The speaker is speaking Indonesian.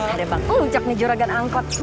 ada bang uncak nih juragan angkot